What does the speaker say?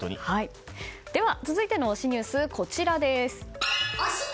続いての推しニュースこちらです。